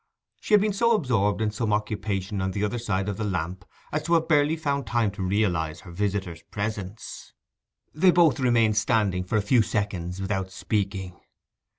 She had been so absorbed in some occupation on the other side of the lamp as to have barely found time to realize her visitor's presence. They both remained standing for a few seconds without speaking.